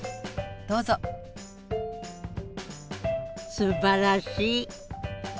すばらしい！